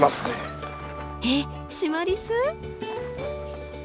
えっシマリス？